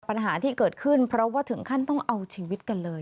ปัญหาที่เกิดขึ้นเพราะว่าถึงขั้นต้องเอาชีวิตกันเลย